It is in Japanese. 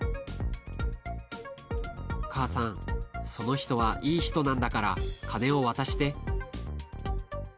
母さん、その人はいい人なんだから、金を渡して。